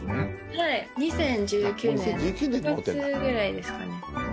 はい２０１９年６月くらいですかね。